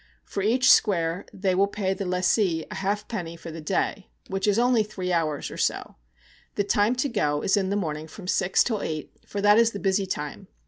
For each square they will pay the lessee a halfpenny for the day, which is only three hours or so. The time to go is in the morning from six till eight, for that is the busy time.